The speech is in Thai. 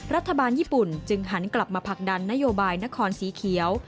รัฐบาลญี่ปุ่นจึงหันกลับมาผลักดันนโยบายนครสีเขียว